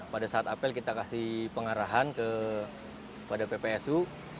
pada saat apel kita kasih pengarahan kepada ppsu